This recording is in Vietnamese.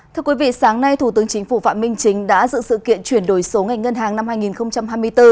thưa quý vị sáng nay thủ tướng chính phủ phạm minh chính đã dự sự kiện chuyển đổi số ngành ngân hàng năm hai nghìn hai mươi bốn